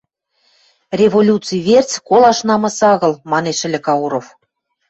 «Революци верц колаш намыс агыл», — манеш ыльы Кауров.